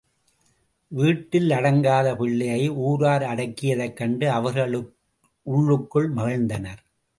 வீட்டில் அடங்காத பிள்ளையை ஊரார் அடக்கியதைக் கண்டு அவர்கள் உள்ளுக்குள் மகிழ்ந்தனர்.